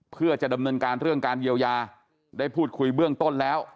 เพื่อจะดำเนินการเรื่องการเยียวยาได้พูดคุยเบื้องต้นแล้ว